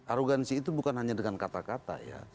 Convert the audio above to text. arogansi itu bukan hanya dengan kata kata ya